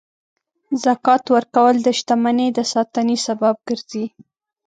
زکات ورکول د شتمنۍ د ساتنې سبب ګرځي.